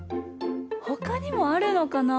ほかにもあるのかな？